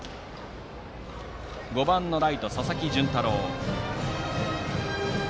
打席は５番のライト佐々木純太郎。